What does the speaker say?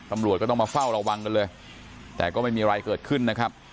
ตำรวจก็ต้องมาเฝ้าระวังกันเลยแต่ก็ไม่มีอะไรเกิดขึ้นนะครับ